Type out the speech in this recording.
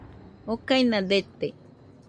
okaina dete